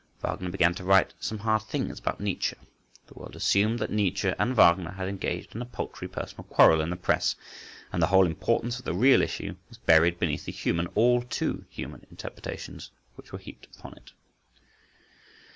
Wagner began to write some hard things about Nietzsche; the world assumed that Nietzsche and Wagner had engaged in a paltry personal quarrel in the press, and the whole importance of the real issue was buried beneath the human, all too human interpretations which were heaped upon it.